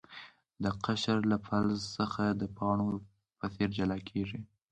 دا قشر له فلز څخه د پاڼو په څیر جلا کیږي.